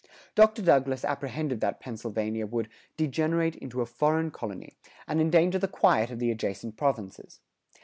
[109:5] Dr. Douglas[109:6] apprehended that Pennsylvania would "degenerate into a foreign colony" and endanger the quiet of the adjacent provinces.